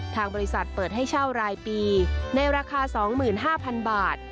ทางบริษัทเปิดให้เช่ารายปีในราคา๒๕๐๐๐บาท